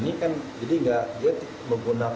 ini kan jadi enggak